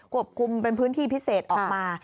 ควบคุมเป็นพื้นที่พิเศษออกมา